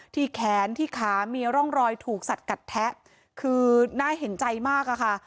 ที่แขนที่ขามีร่องรอยถูกสัดกัดแทะคือน่าเห็นใจมากอะค่ะ